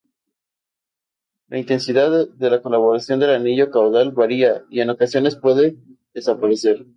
La intensidad de la coloración del anillo caudal varía, y, en ocasiones, puede desaparecer.